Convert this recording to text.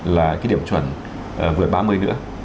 là cái điểm chuẩn vừa ba mươi nữa